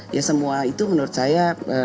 ya semua itu menurut saya